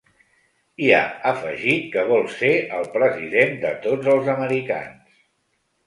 I ha afegit que vol ser ‘el president de tots els americans’.